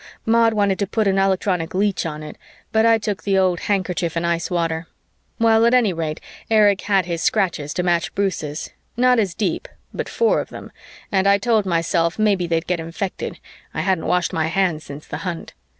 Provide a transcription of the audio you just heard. Maud wanted to put an electronic leech on it, but I took the old handkerchief in ice water. Well, at any rate Erich had his scratches to match Bruce's, not as deep, but four of them, and I told myself maybe they'd get infected I hadn't washed my hands since the hunt.